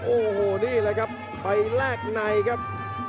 โอ้โหนี่แหละครับไปแลกในครับ